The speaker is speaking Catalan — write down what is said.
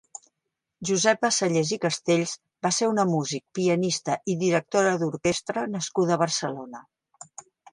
Josepa Sellés i Castells va ser una músic, pianista i directora d'orquestra nascuda a Barcelona.